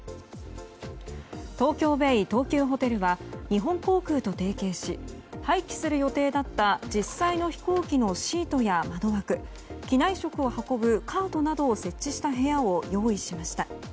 東京ベイ東急ホテルは日本航空と提携し廃棄する予定だった実際の飛行機のシートや窓枠機内食を運ぶカートなどを設置した部屋を用意しました。